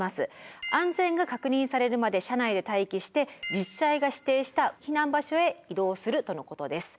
安全が確認されるまで車内で待機して自治体が指定した避難場所へ移動するとのことです。